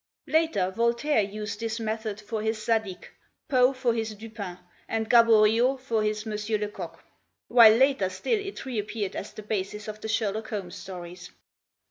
Later Voltaire used this method for his "Zadig/' Poe for his "Dupin," and Gaboriau for his "M. Lecoq;" while later still it reappeared as the basis of the "Sherlock Holmes" stories.